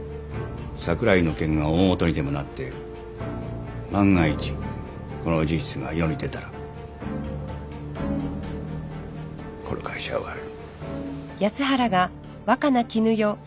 櫻井の件が大ごとにでもなって万が一この事実が世に出たらこの会社は終わる